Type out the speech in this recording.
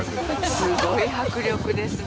スゴい迫力ですね